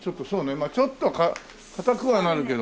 まあちょっと硬くはなるけど。